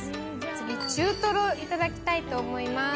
次に中トロ、いただきたいと思います。